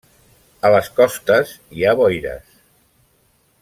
A les costes hi ha boires.